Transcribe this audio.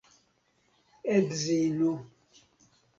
edzino